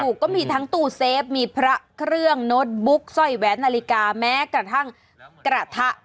ก็มีทั้งตู้เซฟมีพระเครื่องโน้ตบุ๊กสร้อยแหวนนาฬิกาแม้กระทั่งกระทะ